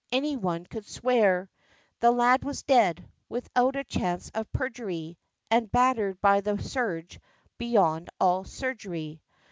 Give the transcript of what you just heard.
Any one could swear The lad was dead without a chance of perjury, And battered by the surge beyond all surgery!